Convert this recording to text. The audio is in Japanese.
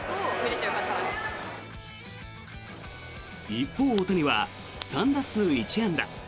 一方、大谷は３打数１安打。